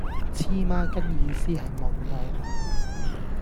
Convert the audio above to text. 黐孖根意思係無腦